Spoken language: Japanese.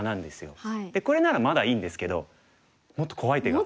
これならまだいいんですけどもっと怖い手が。